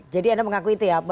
jadi anda mengaku itu ya